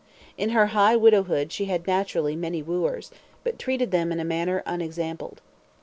In her high widowhood she had naturally many wooers; but treated them in a manner unexampled.